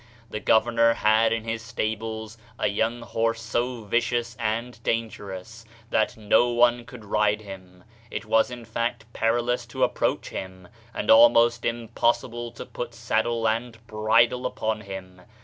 The governor had in his stables a young horse so vicious and dangerous that no one could ride him. It was in fact perilous to ap proach him, and almost impossible to put sad dle and bridle upon him.